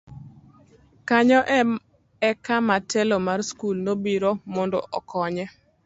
kanyo e kama telo mar skul nobiro mondo okonye